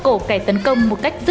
cổ kẻ tấn công một cách dễ dàng hơn